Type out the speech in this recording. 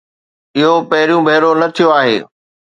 اهو پهريون ڀيرو نه ٿيو آهي.